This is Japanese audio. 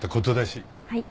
はい。